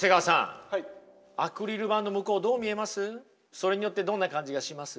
それによってどんな感じがします？